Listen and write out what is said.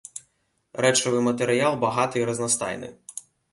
Рэчавы матэрыял багаты і разнастайны.